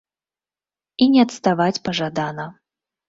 І не адставаць пажадана.